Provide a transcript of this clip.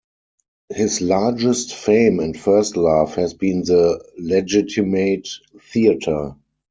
His largest fame and first love has been the legitimate theater.